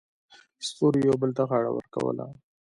ستورو یو بل ته غاړه ورکوله.